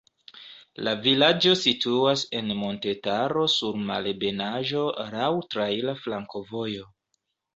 La vilaĝo situas en montetaro sur malebenaĵo, laŭ traira flankovojo.